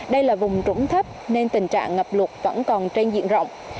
đây là vùng trũng thấp nên tình trạng ngập lụt vẫn còn trên diện rộng